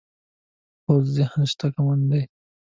پوخ ذهن شکمن نه وي